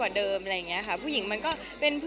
แต่หมายถึงอยู่กับผู้หญิงมันสบายใจ